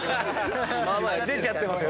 出ちゃってますよ。